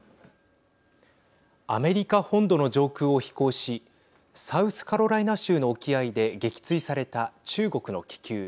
アメリカ本土の上空を飛行しサウスカロライナ州の沖合で撃墜された中国の気球。